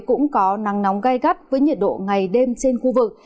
cũng có nắng nóng gai gắt với nhiệt độ ngày đêm trên khu vực